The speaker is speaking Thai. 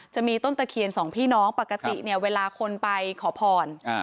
จะมีต้นตะเคียนสองพี่น้องปกติเนี่ยเวลาคนไปขอพร